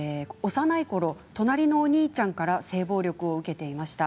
幼いころ、隣のお兄ちゃんから性暴力を受けていました。